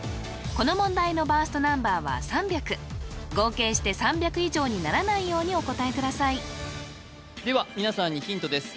この問題のバーストナンバーは３００合計して３００以上にならないようにお答えくださいでは皆さんにヒントです